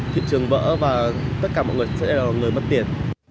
thị trường vỡ và tất cả mọi người sẽ là người mất tiền